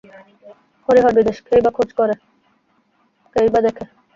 হরিহর বিদেশেকেই বা খোজ করে, কেই বা দেখে।